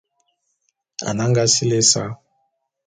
Anag sili ésa.